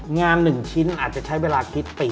งาน๑ชิ้นอาจจะใช้เวลาคิดปี